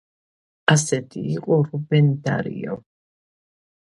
ასეთი იყო რუბენ დარიო.